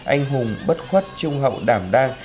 anh hùng bất khuất trung hậu đảm đang